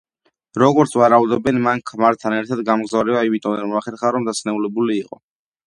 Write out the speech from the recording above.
როგორც ვარაუდობენ, მან ქმართან ერთად გამგზავრება იმიტომ ვერ მოახერხა რომ დასნეულებული იყო.